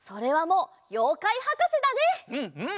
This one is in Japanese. うんうん！